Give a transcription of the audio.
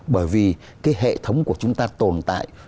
bởi vì cái hệ thống của chúng ta tồn tại